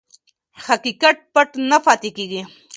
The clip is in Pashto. حقیقت پټ نه پاتې کېږي.